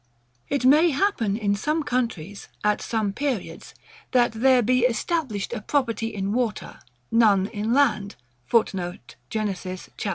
It may happen, in some countries, at some periods, that there be established a property in water, none in land [Footnote: Genesis, chaps.